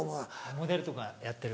モデルとかやってる。